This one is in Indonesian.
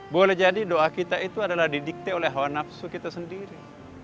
boleh jadi doa kita itu adalah didikte oleh hawa nafsu kita sendiri